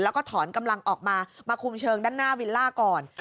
แล้วก็ถอนกำลังออกมามาคุมเชิงด้านหน้าวิลล่าก่อน